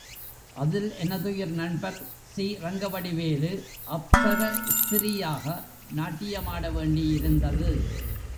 அதில் எனதுயிர் நண்பர் சி.ரங்கவடிவேலு, அப்சர ஸ்திரீயாக நாட்டியமாட வேண்டியிருந்தது.